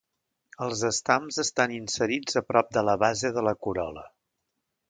Els estams estan inserits a prop de la base de la corol·la.